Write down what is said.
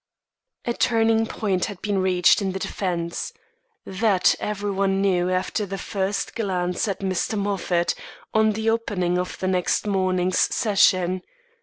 A turning point had been reached in the defence. That every one knew after the first glance at Mr. Moffat, on the opening of the next morning's session.